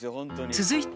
続いて。